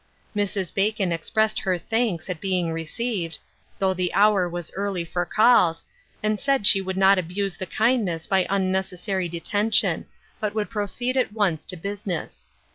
Mrs. Bacon expressed her thanks at being re ceived, though the hour was early for calls, and said she would not abuse the kindness by unnec essary detention, but would proceed at once to business.